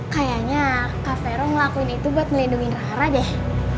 kayaknya kak fero ngelakuin itu buat melindungi rara deh